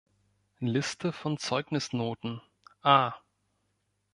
Liste von Zeugnisnoten: A